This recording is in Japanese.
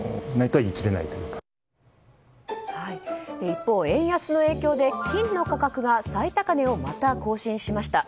一方、円安の影響で金の価格が最高値をまた更新しました。